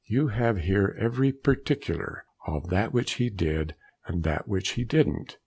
You have here every pertickler, of that which he did, and that which he didn't.